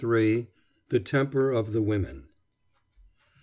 THE TEMPER OF THE WOMEN.